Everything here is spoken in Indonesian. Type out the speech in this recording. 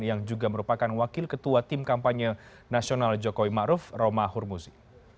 yang juga merupakan wakil ketua tim kampanye nasional jokowi ma'ruf roma ahurmusi